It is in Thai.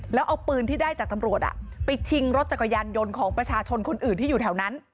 แล้วเอาปืนที่ได้จากตำรวจไปชิงรถจักรยานยนต์ของประชาชนคนอื่นที่อยู่แถวนั้น